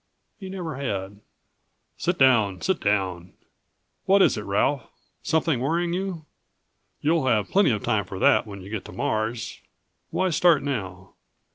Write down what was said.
He never had. "Sit down, sit down. What is it, Ralph? Something worrying you? You'll have plenty of time for that when you get to Mars. Why start now?"